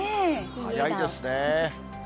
早いですね。